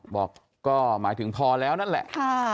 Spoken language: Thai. บอกก็หมายถึงพอแล้วนั่นแหละ